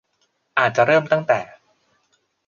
อาจจะเริ่มตั้งแต่